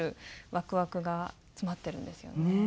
ワクワクが詰まってるんですよね。